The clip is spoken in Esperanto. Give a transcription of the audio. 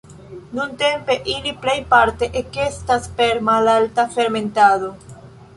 Nuntempe ili plejparte ekestas per malalta fermentado.